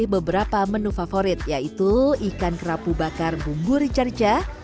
beberapa menu favorit yaitu ikan kerapu bakar bumbu richarca